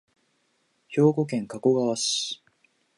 兵庫県加古川市